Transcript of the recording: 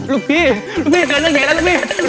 ลูกพี่ลูกพี่เกิดเรื่องเหตุแล้วนะพี่